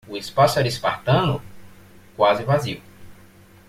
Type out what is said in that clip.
O espaço era espartano? quase vazio.